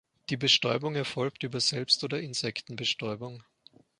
Die Bestäubung erfolgt über Selbst- oder Insektenbestäubung.